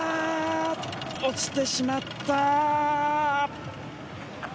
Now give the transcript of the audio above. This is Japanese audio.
落ちてしまった。